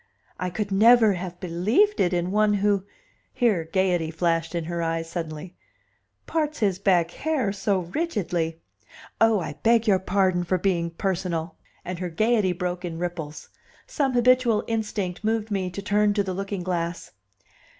"I could never have believed it in one who" here gayety flashed in her eyes suddenly "parts his back hair so rigidly. Oh, I beg your pardon for being personal!" And her gayety broke in ripples. Some habitual instinct moved me to turn to the looking glass.